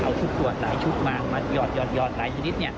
อ๋าชุดปรวจหลายชุดมันหยอดหยอดหยอดหลายชนิดเนี่ย